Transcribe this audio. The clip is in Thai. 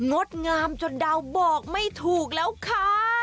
งดงามจนดาวบอกไม่ถูกแล้วค่ะ